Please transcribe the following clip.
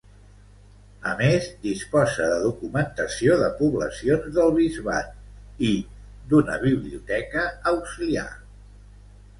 A més, disposa de documentació de poblacions del bisbat i d'una biblioteca auxiliar.